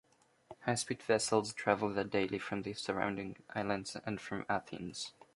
High speed vessels travel there daily from the surrounding islands and from Athens.